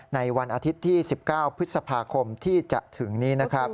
ในวันอาทิตย์ที่๑๙พฤษภาคมที่จะถึงนี้นะครับ